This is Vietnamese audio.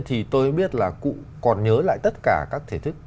thì tôi biết là cụ còn nhớ lại tất cả các thể thức